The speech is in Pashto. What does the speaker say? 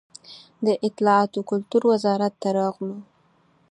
د اطلاعات و کلتور وزارت ته راغلو.